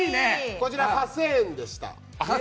こちら８０００円でした。